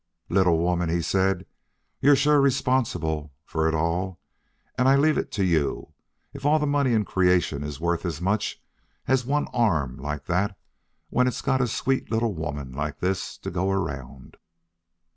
"Little woman," he said, "you're sure responsible for it all. And I leave it to you, if all the money in creation is worth as much as one arm like that when it's got a sweet little woman like this to go around."